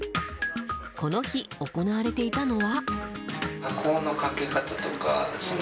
この日行われていたのは。